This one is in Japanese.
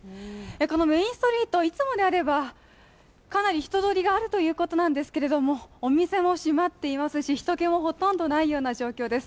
メインストリート、いつもであればかなり人通りがあるということなんですがお店も閉まっていますし、人けもほとんどないような状況です。